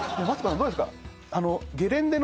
どうですか？